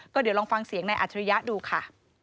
เดี๋ยวลองฟังเสียงนายอัจฉริยะดูค่ะ